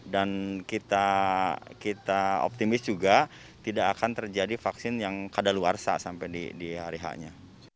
kita optimis juga tidak akan terjadi vaksin yang kadaluarsa sampai di hari h nya